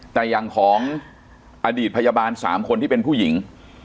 แต่อย่างของอดีตพยาบาล๓คนที่เป็นผู้หญิง